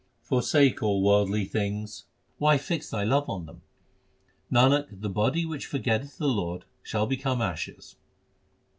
Forsake all worldly things : why fix thy love on them ? Nanak, the body which forgetteth the Lord shall become ashes.